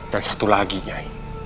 dan satu lagi nyai